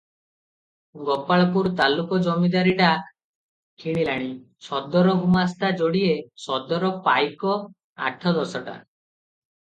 ଗୋପାଳପୁର ତାଲୁକ ଜମିଦାରୀଟା କିଣିଲାଣି, ସଦର ଗୁମାସ୍ତା ଯୋଡିଏ, ସଦର ପାଇକ ଆଠ ଦଶଟା ।